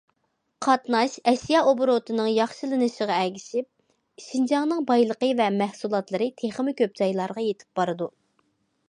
قاتناش، ئەشيا ئوبوروتىنىڭ ياخشىلىنىشىغا ئەگىشىپ، شىنجاڭنىڭ بايلىقى ۋە مەھسۇلاتلىرى تېخىمۇ كۆپ جايلارغا يېتىپ بارىدۇ.